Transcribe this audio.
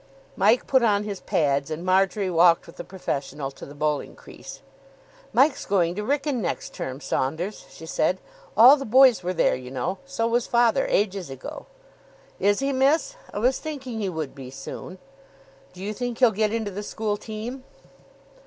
Mike put on his pads; and Marjory walked with the professional to the bowling crease. "Mike's going to Wrykyn next term, Saunders," she said. "All the boys were there, you know. So was father, ages ago." "Is he, miss? I was thinking he would be soon." "Do you think he'll get into the school team?"